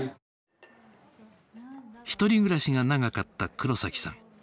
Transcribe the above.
１人暮らしが長かった黒崎さん。